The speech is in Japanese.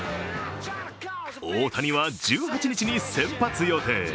大谷は１８日に先発予定。